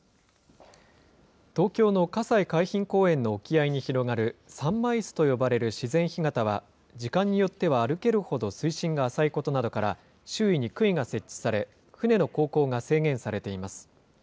東京の葛西海浜公園の沖合に広がる三枚洲と呼ばれる自然干潟は、時間によっては歩けるほど水深が浅いことなどから、周囲にくいが設置され、船の航行が制限されています。